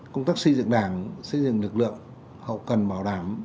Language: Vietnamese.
công tác xây dựng đảng xây dựng lực lượng hậu cần bảo đảm